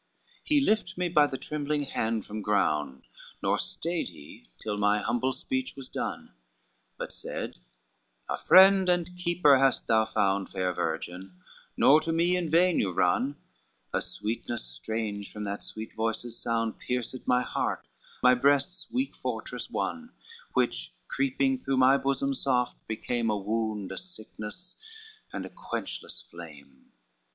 XCIV "He lift me by the trembling hand from ground, Nor stayed he till my humble speech was done; But said, 'A friend and keeper hast thou found, Fair virgin, nor to me in vain you run:' A sweetness strange from that sweet voice's sound Pierced my heart, my breast's weak fortress won, Which creeping through my bosom soft became A wound, a sickness, and a quenchless flame.